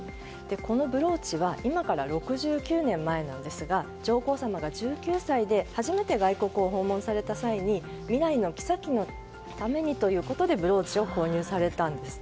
このブローチは今から６９年前なんですが上皇さまが１９歳で初めて外国を訪問された際に未来の妃のためにということでブローチを購入されたんです。